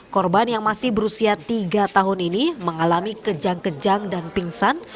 korban yang masih berusia tiga tahun ini mengalami kejang kejang dan pingsan